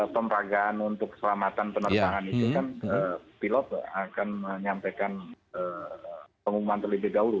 pemragaan untuk keselamatan penerbangan itu kan pilot akan menyampaikan pengumuman terlebih dahulu